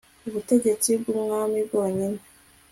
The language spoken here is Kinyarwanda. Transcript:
ubutegetsi bw umwami bwonyine